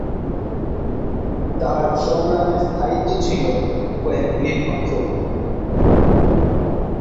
তার সংগ্রামের স্থায়িত্ব ছিলো কয়েক মিনিট মাত্র।